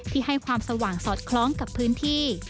ให้ความสว่างสอดคล้องกับพื้นที่